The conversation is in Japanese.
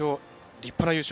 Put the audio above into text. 立派な優勝。